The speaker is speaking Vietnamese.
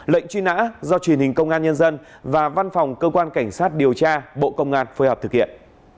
lệnh truy nã do truyền hình công an nhân dân và văn phòng cơ quan cảnh sát điều tra bộ công an phối hợp thực hiện